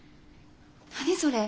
何それ？